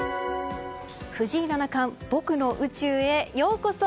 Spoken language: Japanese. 藤井七冠、僕の宇宙へようこそ。